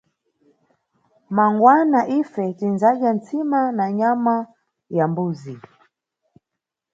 Mangwana ife tindzadya ntsima na nyama ya mbuzi.